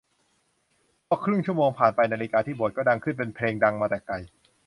พอครึ่งชั่วโมงผ่านไปนาฬิกาที่โบสถ์ก็ดังขึ้นเป็นเพลงดังมาแต่ไกล